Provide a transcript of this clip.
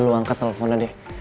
lo angkat telepon aja deh